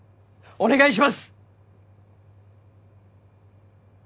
お願いします！